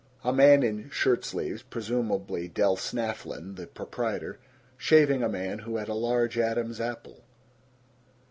A man in shirt sleeves, presumably Del Snafflin the proprietor, shaving a man who had a large Adam's apple.